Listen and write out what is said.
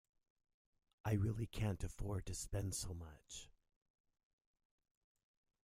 I really can’t afford to spend so much